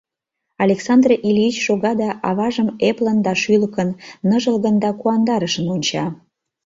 Александр Ильич шога да аважым эплын да шӱлыкын, ныжылгын да куандарышын онча...